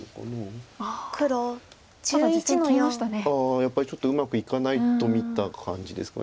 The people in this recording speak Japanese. やっぱりちょっとうまくいかないと見た感じですか。